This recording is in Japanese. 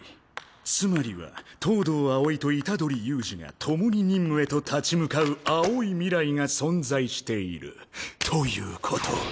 つまりは東堂葵と虎杖悠仁が共に任務へと立ち向かう青い未来が存在しているということ。